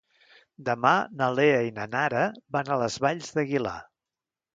Demà na Lea i na Nara van a les Valls d'Aguilar.